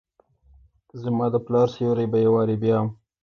زماد پلار سیوری به ، یو وارې بیا،